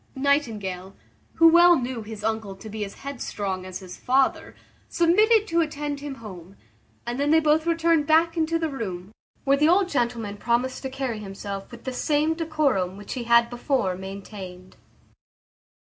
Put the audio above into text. Nightingale, who well knew his uncle to be as headstrong as his father, submitted to attend him home, and then they both returned back into the room, where the old gentleman promised to carry himself with the same decorum which he had before maintained.